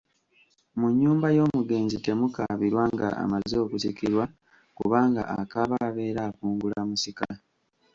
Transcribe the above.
Mu nnyumba y’omugenzi temukaabirwa nga amaze okusikirwa kubanga akaaba abeera akungula musika.